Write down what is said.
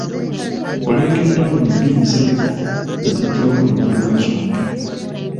Bbuleeke dawuni bbiri zajja ne zijjawo emmotoka zombi.